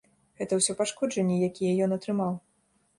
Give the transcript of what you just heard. Гэта ўсе пашкоджанні, якія ён атрымаў.